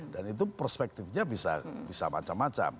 dan itu perspektifnya bisa macam macam